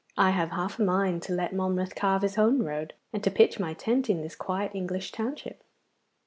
I have half a mind to let Monmouth carve his own road, and to pitch my tent in this quiet English township.